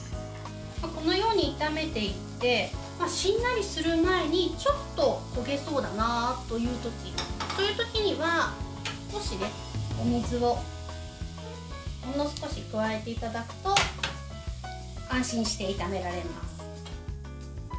このように炒めていってしんなりする前にちょっと焦げそうだなというときそういうときには、少しお水をほんの少し加えていただくと安心して炒められます。